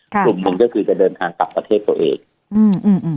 กลุ่มหนึ่งก็คือจะเดินทางกลับประเทศตัวเองอืมอืม